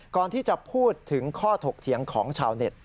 ก่อนที่จะพูดถึงข้อถกเถียงของชาวเน็ต